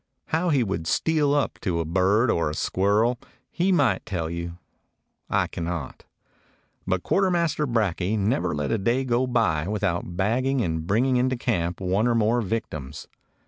How he would steal up to a bird or a squirrel he might tell you; I cannot. But Quartermaster Brakje never let a day go by without bagging and bringing into camp one or more victims.